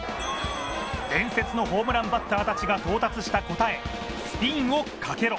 伝説のホームランバッターたちが到達した答え、スピンをかけろ。